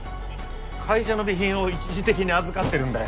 会社の備品を一時的に預かってるんだよ。